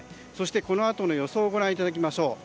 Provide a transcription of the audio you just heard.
このあとの予想をご覧いただきましょう。